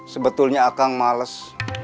sebetulnya akang males